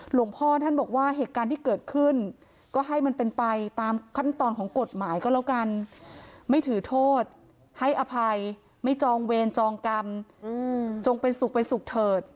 หลวงพ่อท่านบอกว่าเหตุการณ์ที่เกิดขึ้นก็ให้มันเป็นไปตามขั้นตอนของกฎหมายก็แล้วกันไม่ถือโทษให้อภัยไม่จองเวรจองกรรมจงเป็นสุขไปสุขเถิด